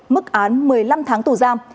mức án một mươi năm tháng tù giam